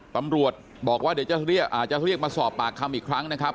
ตำรวจอาจจะเรียกมาสอบปากคำอีกครั้งนะครับ